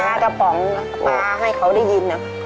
ป๊ากระป๋องป๊าให้เขาได้ยินนะ